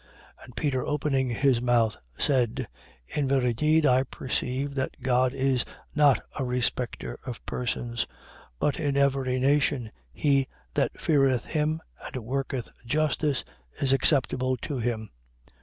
10:34. And Peter opening his mouth, said: in very deed I perceive that God is not a respecter of persons. 10:35. But in every nation, he that feareth him and worketh justice is acceptable to him.